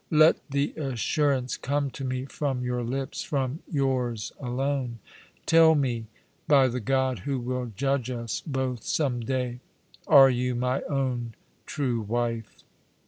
Let the assurance come to me from your lips — from yours alone. Tell me — by the God who will judge us both some day — Are you my own true wife?